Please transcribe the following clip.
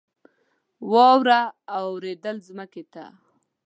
واوره را اوورېده ځمکې ته